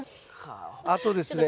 あとですね